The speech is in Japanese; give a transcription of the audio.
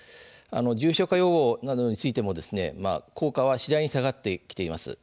重症化予防などについても効果は次第に下がってきています。